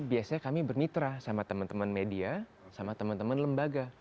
biasanya kami bermitra sama teman teman media sama teman teman lembaga